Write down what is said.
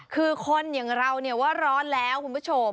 คือคนอย่างเราเนี่ยว่าร้อนแล้วคุณผู้ชม